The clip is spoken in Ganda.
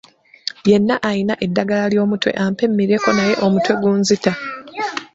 Yenna ayina eddagala ly'omutwe ampe mmireko naye omutwe gunzita.